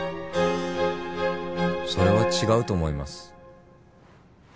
それは違うと思います。